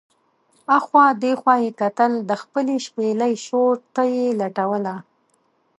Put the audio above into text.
اخوا دې خوا یې کتل، د خپلې شپېلۍ شور ته یې لټوله.